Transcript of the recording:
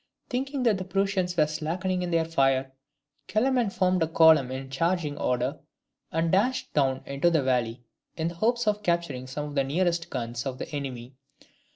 Thinking that the Prussians were slackening in their fire, Kellerman formed a column in charging order, and dashed down into the valley, in the hopes of capturing some of the nearest guns of the enemy.